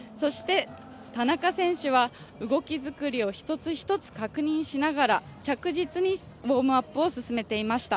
田中選手は動き作りを一つ一つ確認しながら、着実にウォームアップを進めていました。